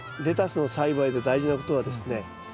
レタスの栽培で大事なことはですね